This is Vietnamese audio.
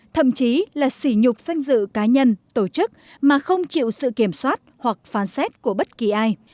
thậm chí là xỉ nhục danh dự cá nhân tổ chức mà không chịu sự kiểm soát hoặc phán xét của bất kỳ ai